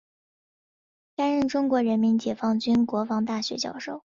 担任中国人民解放军国防大学教授。